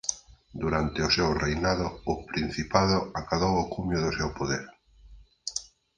Durante o seu reinado o principado acadou o cumio do seu poder.